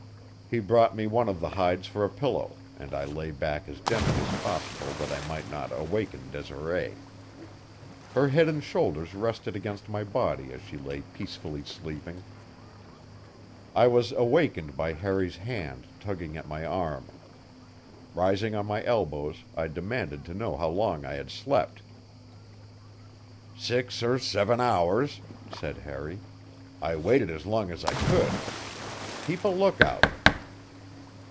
He brought me one of the hides for a pillow, and I lay back as gently as possible that I might not awaken Desiree. Her head and shoulders rested against my body as she lay peacefully sleeping. I was awakened by Harry's hand tugging at my arm. Rising on my elbows, I demanded to know how long I had slept. "Six or seven hours," said Harry. "I waited as long as I could. Keep a lookout."